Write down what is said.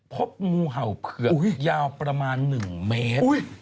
พบงูเห่าเผือกยาวประมาณ๑เมตร